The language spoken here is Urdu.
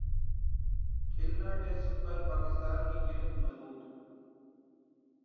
کھلنا ٹیسٹ پر پاکستان کی گرفت مضبوط